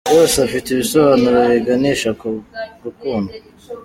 yose afite ibisobanuro biganisha ku gukundwa.